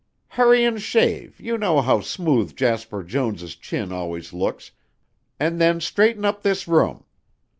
"Hurry and shave, you know how smooth Jasper Jones' chin always looks, and then straighten up this room."